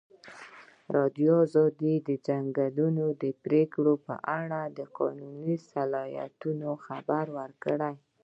ازادي راډیو د د ځنګلونو پرېکول په اړه د قانوني اصلاحاتو خبر ورکړی.